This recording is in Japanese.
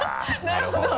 なるほど。